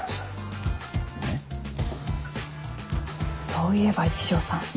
そういえば一条さん。